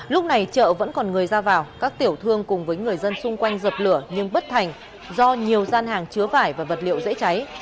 lúc này chợ vẫn còn người ra vào các tiểu thương cùng với người dân xung quanh dập lửa nhưng bất thành do nhiều gian hàng chứa vải và vật liệu dễ cháy